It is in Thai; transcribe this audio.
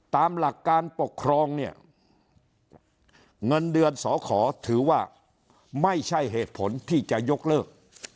ตามหลักการปกครองเนี่ยเงินเดือนสอขอถือว่าไม่ใช่เหตุผลที่จะยกเลิก